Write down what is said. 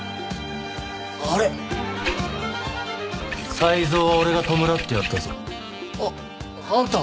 才三は俺が弔ってやったぞああんた